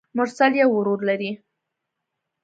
مرسل يو ورور لري.